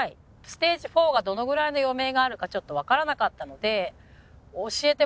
ステージ４がどのぐらいの余命があるかちょっとわからなかったので。